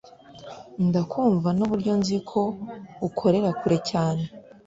ndakumva Nuburyo nzi ko ukorera Kure cyane